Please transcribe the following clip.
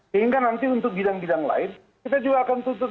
sehingga nanti untuk bidang bidang lain kita juga akan tutup